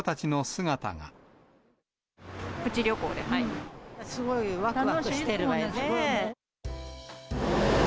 すごいわくわくしてるわよね。